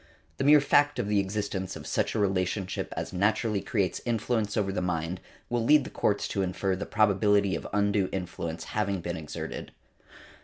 The mere fact of the existence of such a relationship as naturally creates influence over the mind will lead the courts to infer the probability of undue influence having been exerted.